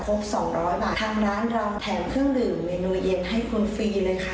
สองร้อยบาททางร้านเราแถมเครื่องดื่มเมนูเย็นให้คุณฟรีเลยค่ะ